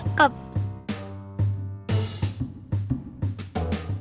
gimana keadaan nombor ini